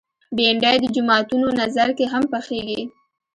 بېنډۍ د جوماتونو نذر کې هم پخېږي